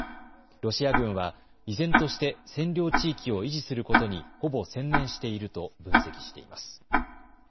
ロシア軍は依然として占領地域を維持することにほぼ専念していると分析しています。